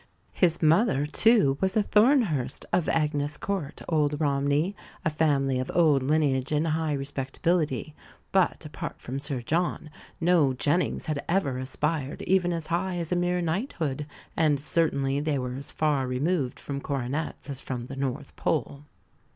His mother, too, was a Thornhurst, of Agnes Court, Old Romney, a family of old lineage and high respectability; but, apart from Sir John, no Jennings had ever aspired even as high as a mere knighthood, and certainly they were as far removed from coronets as from the North Pole.